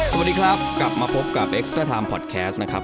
สวัสดีครับกลับมาพบกับเอ็กซเตอร์ไทมพอดแคสต์นะครับ